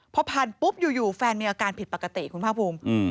พอผ่านปุ๊บอยู่แฟนมีอาการผิดปกติคุณภาคภูมิ